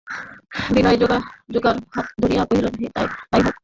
বিনয় গোরার হাত ধরিয়া কহিল, তাই হোক।